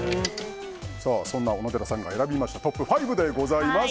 そんな小野寺さんが選んだトップ５でございます。